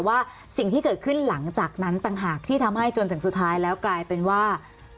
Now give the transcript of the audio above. ว่าสิ่งที่เกิดขึ้นหลังจากนั้นต่างหากที่ทำให้จนถึงสุดท้ายแล้วกลายเป็นว่า